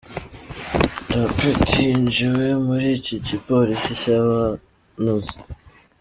Tapert yinjijwe muri iki gipolisi cyaba-Nazi.